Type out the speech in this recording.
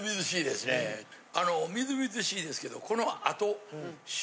みずみずしいですけどこの後。